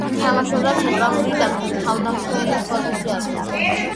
თამაშობდა ცენტრალური თავდამსხმელის პოზიციაზე.